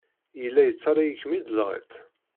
Yella yettaley-ikem-id lɣeṭṭ.